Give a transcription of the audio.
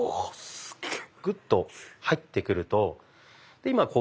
すげえ。